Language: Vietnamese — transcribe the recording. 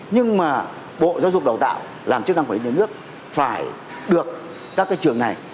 nhưng bộ giáo dục đào tạo làm chức năng của những nước phải được các trường này